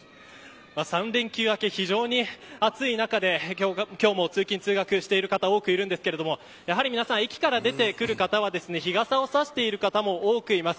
３連休明け、非常に暑い中で今日も通勤、通学している方多くいるんですがやはり皆さん駅から出てくる方は日傘を差している方も多くいます。